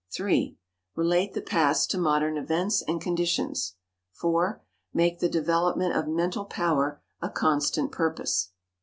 3. Relate the past to modern events and conditions. 4. Make the development of mental power a constant purpose.